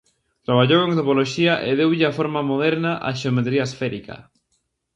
Traballou en topoloxía e deulle a forma moderna á xeometría esférica.